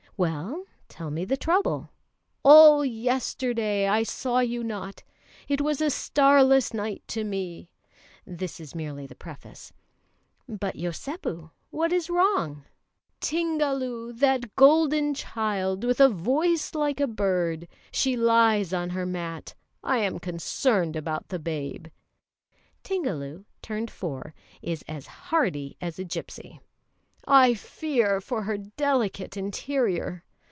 "Well, tell me the trouble." "All yesterday I saw you not; it was a starless night to me!" This is merely the preface. "But, Yosépu, what is wrong?" "Tingalu, that golden child with a voice like a bird, she lies on her mat. I am concerned about the babe," (Tingalu, turned four, is as hardy as a gipsy), "I fear for her delicate interior.